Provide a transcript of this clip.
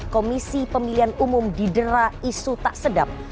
komisi pemilihan umum didera isu tak sedap